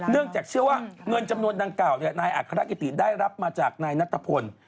จากเชื่อว่าเงินจำนวนดังกล่าวนายอัครกิติได้รับมาจากนายนัทพล